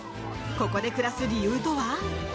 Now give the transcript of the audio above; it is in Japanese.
ここで暮らす理由とは？